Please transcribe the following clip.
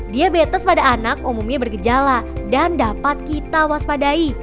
diabetes pada anak umumnya bergejala dan dapat kita waspadai